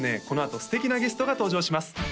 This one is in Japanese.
このあと素敵なゲストが登場します